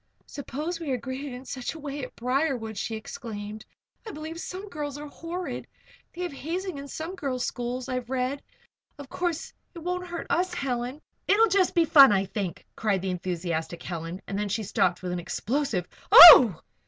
"Suppose we are greeted in any such way at Briarwood?" she exclaimed. "I believe some girls are horrid. They have hazing in some girls' schools, I've read. Of course, it won't hurt us, Helen " "It'll be just fun, I think!" cried the enthusiastic Helen and then she stopped with an explosive "Oh!"